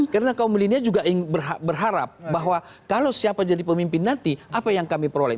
karena kaum milenial juga berharap bahwa kalau siapa jadi pemimpin nanti apa yang kami peroleh